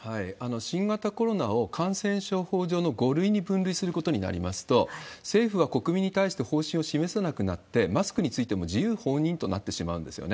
新型コロナを感染症法上の５類に分類することになりますと、政府は国民に対して方針を示さなくなって、マスクについても自由放任となってしまうんですよね。